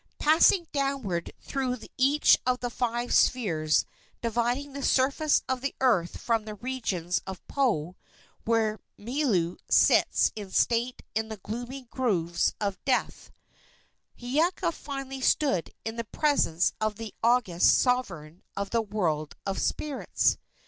Passing downward through each of the five spheres dividing the surface of the earth from the regions of Po, where Milu sits in state in the gloomy groves of death, Hiiaka finally stood in the presence of the august sovereign of the world of spirits.